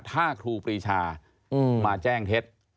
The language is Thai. ถ้าครูปรีชามาแจ้งเท็จ